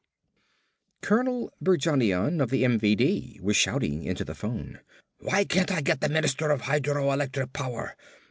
Colonel Berjanian of the MVD was shouting into the phone. "Why can't I get the Minister of Hydroelectric Power?